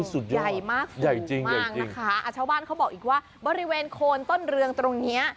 สุดยอดใหญ่จริงอ่ะชาวบ้านเขาบอกอีกว่าบริเวณโคนต้นเรืองตรงนี้